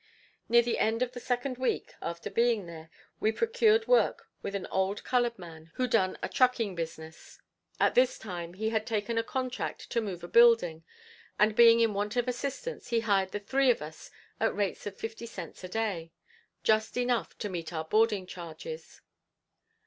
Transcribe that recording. Near the end of the second week after being there, we procured work with an old colored man who done a trucking business. At this time he had taken a contract to move a building, and being in want of assistance, he hired the three of us at rates of fifty cents a day. Just enough to meet our boarding charges.